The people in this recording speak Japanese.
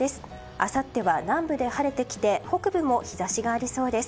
あさっては南部で晴れてきて北部も日差しがありそうです。